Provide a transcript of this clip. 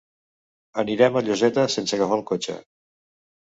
Anirem a Lloseta sense agafar el cotxe.